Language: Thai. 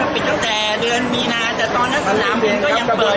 อาหรับเชี่ยวจามันไม่มีควรหยุด